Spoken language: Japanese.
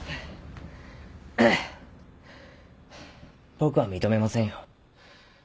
僕は認めませんよ。